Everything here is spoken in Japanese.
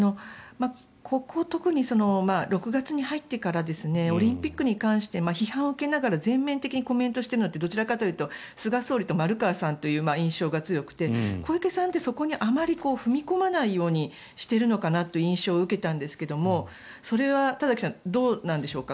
ここ、特に６月に入ってからオリンピックに関して批判を受けながら全面的にコメントしているのってどちらかというと菅総理と丸川さんという印象が強くて小池さんってそこにあまり踏み込まないという印象を受けたんですけどそれは田崎さんどうなんでしょうか。